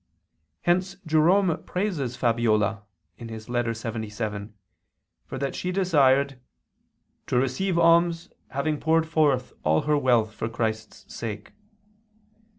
Hence Jerome praises Fabiola (Ep. lxxvii ad ocean.) for that she desired "to receive alms, having poured forth all her wealth for Christ's sake."